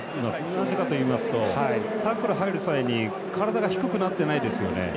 なぜかといいますとタックル入る際に体が低くなってないですよね。